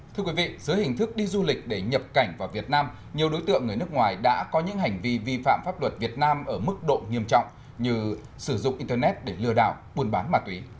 thưa quý vị dưới hình thức đi du lịch để nhập cảnh vào việt nam nhiều đối tượng người nước ngoài đã có những hành vi vi phạm pháp luật việt nam ở mức độ nghiêm trọng như sử dụng internet để lừa đảo buôn bán ma túy